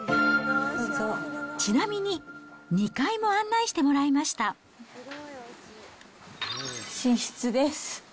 ちなみに２階も案内してもら寝室です。